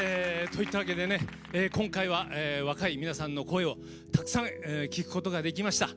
今回は、若い皆さんの声をたくさん聴くことができました。